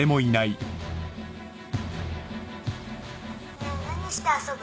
ねえ何して遊ぶ？